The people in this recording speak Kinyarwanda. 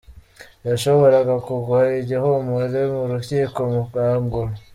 Yashoboraga kugwa igihumure mu rukiko rwa Gulu.